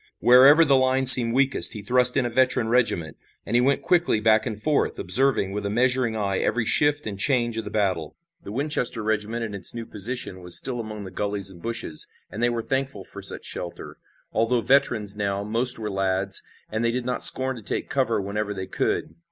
Wherever the line seemed weakest he thrust in a veteran regiment, and he went quickly back and forth, observing with a measuring eye every shift and change of the battle. The Winchester regiment in its new position was still among the gullies and bushes, and they were thankful for such shelter. Although veterans now, most were lads, and they did not scorn to take cover whenever they could.